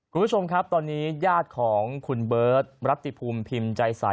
คุณผู้ชมครับตอนนี้ญาติของคุณเบิร์ตรัติภูมิพิมพ์ใจสาย